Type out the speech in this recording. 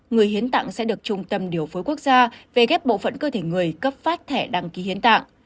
người hiến tặng sẽ được trung tâm điều phối quốc gia về ghép bộ phận cơ thể người cấp phát thẻ đăng ký hiến tạng